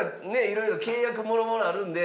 色々契約もろもろあるんで。